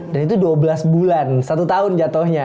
dan itu dua belas bulan satu tahun jatohnya